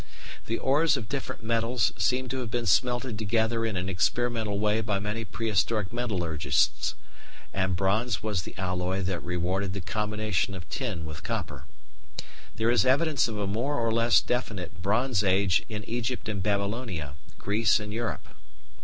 The ores of different metals seem to have been smelted together in an experimental way by many prehistoric metallurgists, and bronze was the alloy that rewarded the combination of tin with copper. There is evidence of a more or less definite Bronze Age in Egypt and Babylonia, Greece and Europe.